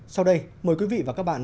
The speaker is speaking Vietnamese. sau đây mời quý vị và các bạn